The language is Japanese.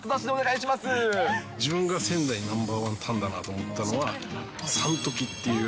自分が仙台ナンバー１タンだなと思ったのは、サントキっていう。